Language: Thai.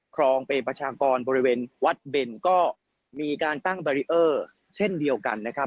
ครองเป็นประชากรบริเวณวัดเบนก็มีการตั้งแบรีเออร์เช่นเดียวกันนะครับ